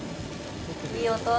いい音。